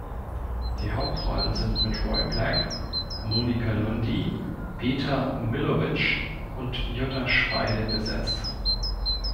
Die Hauptrollen sind mit Roy Black, Monika Lundi, Peter Millowitsch und Jutta Speidel besetzt.